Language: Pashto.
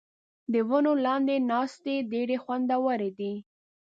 د ونو لاندې ناستې ډېرې خوندورې دي.